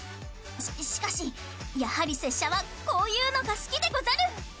ししかしやはり拙者はこういうのが好きでござる！